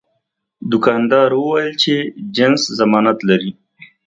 دوکاندار وویل چې جنس ضمانت لري.